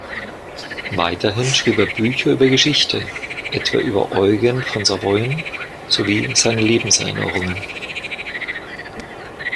Weiterhin schrieb er Bücher über Geschichte, etwa über Eugen von Savoyen, sowie seine Lebenserinnerungen.